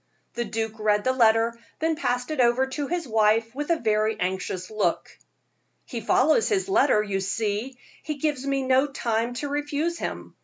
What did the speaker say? The duke read the letter, then passed it over to his wife with a very anxious look. "He follows his letter, you see; he gives me no time to refuse him.